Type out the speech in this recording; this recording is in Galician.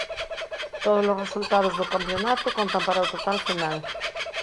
Todos os resultados do campionato contan para o total final.